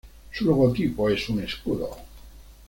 Su logotipo es un escudo.